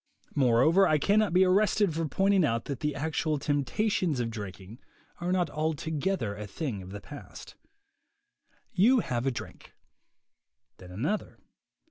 Moreover, I cannot be arrested for pointing out that the actual temptations to drinking are not altogether a thing of the past. You have a drink; then another.